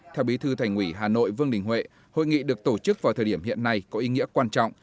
theo bí thư thành ủy hà nội vương đình huệ hội nghị được tổ chức vào thời điểm hiện nay có ý nghĩa quan trọng